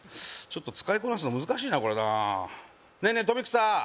ちょっと使いこなすの難しいなこれなねえねえ